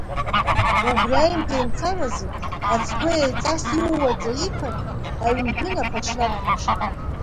Убри аимгеимцаразы ацгәы еиҵас иууаӡа иԥан, аҩнҳәынаԥ аҽнақәнажьт.